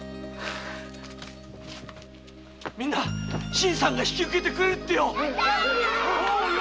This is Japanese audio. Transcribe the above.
新さんが引き受けてくれるってよ！